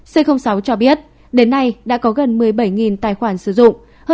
c sáu cho biết đến nay đã có gần một mươi bảy tài khoản dịch